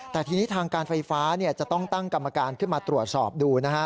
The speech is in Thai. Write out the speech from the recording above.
ทีนี้ทางการไฟฟ้าจะต้องตั้งกรรมการตรวจสอบดู